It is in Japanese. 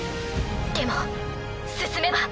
でも進めば。